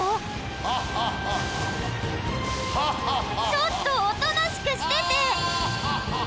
ちょっとおとなしくしてて！